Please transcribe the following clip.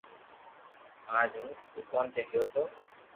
اج ھون دوڪون تو گيو تو